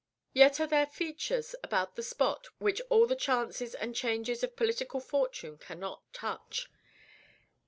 Yet are there features about the spot which all the chances and changes of political fortune cannot touch.